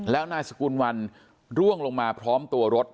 แล้วนายสกุลวันร่วงลงมาพร้อมตัวรถ